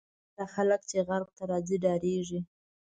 زیاتره خلک چې غرب ته راځي ډارېږي.